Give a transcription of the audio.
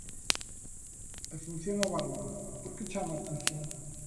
E funciona bárbaro, porque chama a atención.